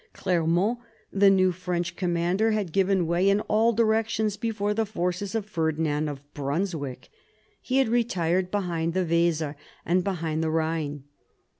Clermont, the new French com mander, had given way in all directions before the forces of Ferdinand of Brunswick ; he had retired behind the Weser and behind the Rhine.